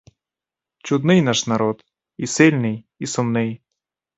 Чудний наш народ: і сильний, і сумний.